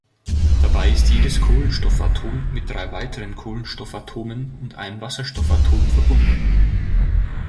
Dabei ist jedes Kohlenstoffatom mit drei weiteren Kohlenstoffatomen und einem Wasserstoffatom verbunden.